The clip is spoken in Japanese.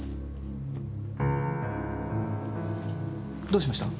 どうしました？